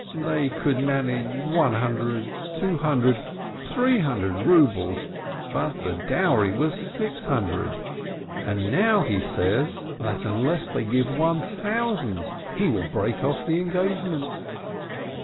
They could man age one hundred, two hundred, three hundred rubles, but the dowry was six hundred, and now he says, that WOMEN 465 unless they give one thousand, he will break off the engagement.